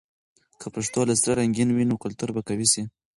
که پښتو له سره رنګین وي، نو کلتور به قوي سي.